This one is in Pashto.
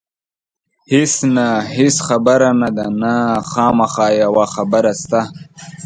هېڅ نه، هېڅ خبره نه ده، نه، خامخا یوه خبره شته.